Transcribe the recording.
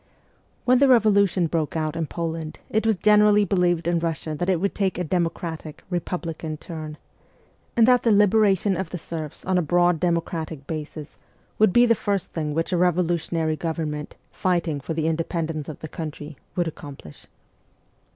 When the revolution broke out in Poland it was generally believed in Russia that it would take a demo cratic, republican turn ; and that the liberation of the serfs on a broad democratic basis would be the first thing which a revolutionary government, fighting for the independence of the country, would accomplish.